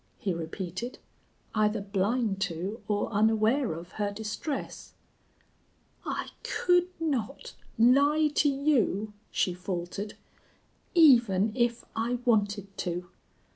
he repeated, either blind to or unaware of her distress. "I could not lie to you," she faltered, "even if I wanted to."